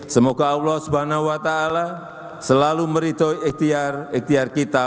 semoga allah swt selalu meritau ikhtiar ikhtiar kita